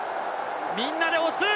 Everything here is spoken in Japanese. みんなで押す。